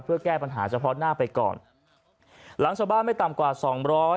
เพื่อแก้ปัญหาเฉพาะหน้าไปก่อนหลังชาวบ้านไม่ต่ำกว่าสองร้อย